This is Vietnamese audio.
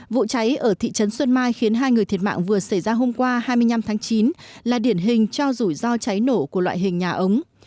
vụ cháy ở thị trấn xuân mai khiến hai người thiệt mạng vừa xảy ra hôm qua hai mươi năm tháng chín là điển hình cho rủi ro cháy nổ của loại hình nhà ống